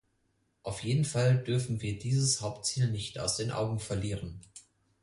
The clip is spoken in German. Auf jeden Fall dürfen wir dieses Hauptziel nicht aus den Augen verlieren.